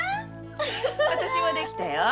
私もできたよ。